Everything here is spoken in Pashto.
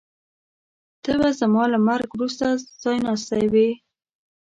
ته به زما له مرګ وروسته ځایناستی وې.